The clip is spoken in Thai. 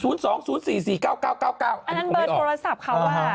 อันนั้นเบอร์โทรศัพท์เขา